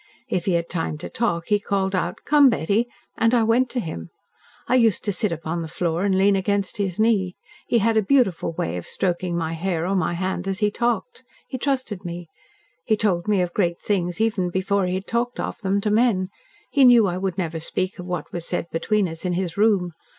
If he had time to talk he called out, 'Come, Betty,' and I went to him. I used to sit upon the floor and lean against his knee. He had a beautiful way of stroking my hair or my hand as he talked. He trusted me. He told me of great things even before he had talked of them to men. He knew I would never speak of what was said between us in his room.